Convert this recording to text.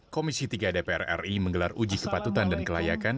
komisi tiga dpr ri menggelar uji kepatutan dan kelayakan